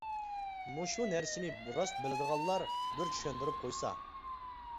مۇشۇ نەرسىنى راست بىلىدىغانلار بىر چۈشەندۈرۈپ قويسا.